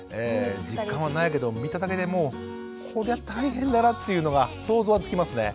実感はないけど見ただけでもうこりゃ大変だなっていうのが想像はつきますね。